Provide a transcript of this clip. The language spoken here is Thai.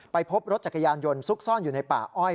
พบรถจักรยานยนต์ซุกซ่อนอยู่ในป่าอ้อย